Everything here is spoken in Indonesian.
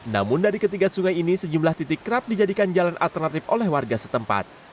namun dari ketiga sungai ini sejumlah titik kerap dijadikan jalan alternatif oleh warga setempat